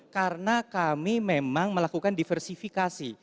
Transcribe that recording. karena kami memang melakukan diversifikasi